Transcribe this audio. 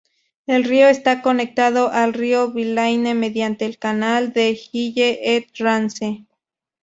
El río está conectado al río Vilaine mediante el canal de Ille-et-Rance.